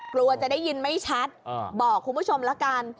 กลัวจะได้ยินไม่ชัดบอกคุณผู้ชมละกัน